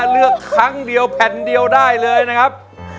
เลือกครั้งเดียวแผ่นเดียวได้เลยนะครับ